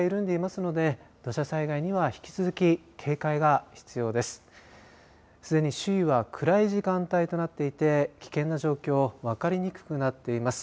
すでに周囲は暗い時間帯となっていて危険な状況分かりにくくなっています。